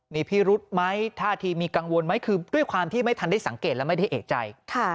มีพิรุธไหมท่าทีมีกังวลไหมคือด้วยความที่ไม่ทันได้สังเกตและไม่ได้เอกใจ